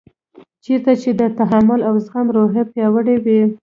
چېرته چې د تحمل او زغم روحیه پیاوړې وي.